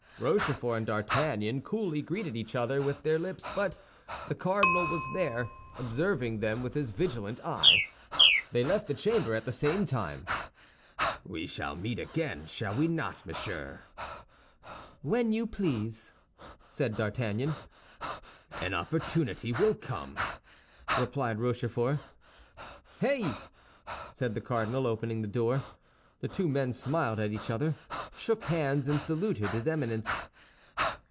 Rochefort and D'Artagnan coolly greeted each other with their lips; but the cardinal was there, observing them with his vigilant eye. They left the chamber at the same time. "We shall meet again, shall we not, monsieur?" "When you please," said D'Artagnan. "An opportunity will come," replied Rochefort. "Hey?" said the cardinal, opening the door. The two men smiled at each other, shook hands, and saluted his Eminence.